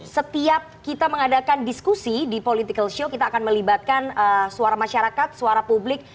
setiap kita mengadakan diskusi di political show kita akan melibatkan suara masyarakat suara publik